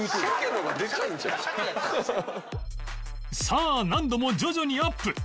さあ難度も徐々にアップ